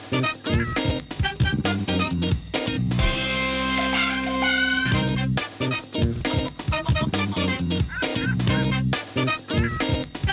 โปรดติดตามตอนต่อไป